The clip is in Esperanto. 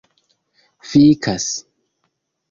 fikas